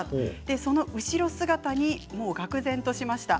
その後ろ姿に、がく然としました。